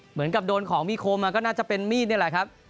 เหมือนกับโดนของมีคมก็น่าจะเป็นมีดนี่แหละครับ